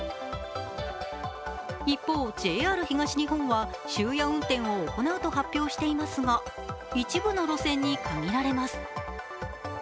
一方、ＪＲ東日本は終夜運転を行うと発表していますが、一部の路線に限られます。